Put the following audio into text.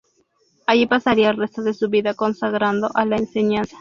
Allí pasaría el resto de su vida consagrado a la enseñanza.